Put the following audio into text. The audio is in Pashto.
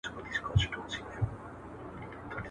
• د خېره دي بېزاره يم، شر مه رارسوه!